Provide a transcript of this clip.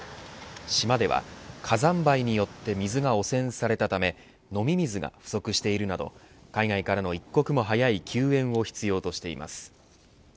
島では火山灰によって水が汚染されたため飲み水が不足しているなど海外からの一刻も早い救援を必要としています。